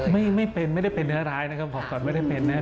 ไม่เป็นไม่ได้เป็นเนื้อร้ายนะครับบอกก่อนไม่ได้เป็นนะครับ